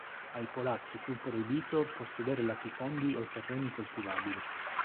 Ai polacchi fu proibito possedere latifondi o terreni coltivabili.